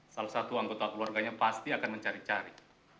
salah satu anggota keluarganya pasti akan mencari cari